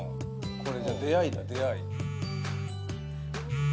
「これじゃあ出会いだ出会い」